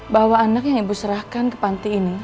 bahwa anak yang ibu serahkan ke panti ini